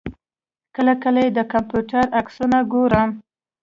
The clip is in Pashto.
کله کله یې پر کمپیوټر عکسونه ګورم.